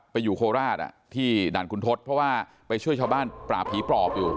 อยู่โคราชที่ด่านคุณทศเพราะว่าไปช่วยชาวบ้านปราบผีปลอบอยู่